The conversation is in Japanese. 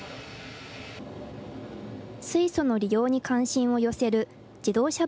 水素の利用に関心を寄せる自動車